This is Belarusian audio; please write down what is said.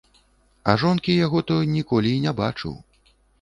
А жонкі яго то і ніколі не бачыў.